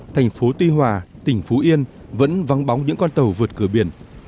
thành phố tuy hòa tỉnh phú yên vẫn vắng bóng những con tàu vượt cửa biển